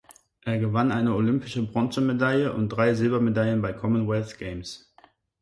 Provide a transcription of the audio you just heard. Er gewann eine olympische Bronzemedaille und drei Silbermedaillen bei Commonwealth Games.